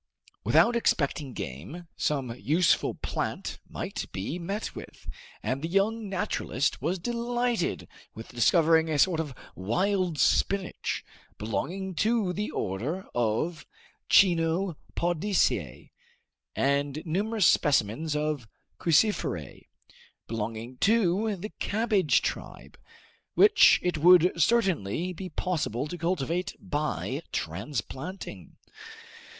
Without expecting game, some useful plant might be met with, and the young naturalist was delighted with discovering a sort of wild spinach, belonging to the order of chenopodiaceae, and numerous specimens of cruciferae, belonging to the cabbage tribe, which it would certainly be possible to cultivate by transplanting.